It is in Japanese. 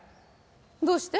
どうして？